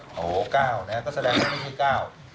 โอ้โหเก้านะครับก็แสดงว่าไม่ใช่เก้า